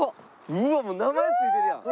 うわっもう名前付いてるやん。